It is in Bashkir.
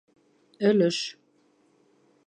Өлөш